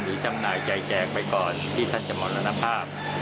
หรือช่ำหน่าใจแจกไปก่อนที่ท่านจะหมดละนภาพ